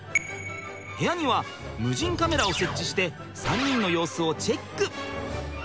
部屋には無人カメラを設置して３人の様子をチェック。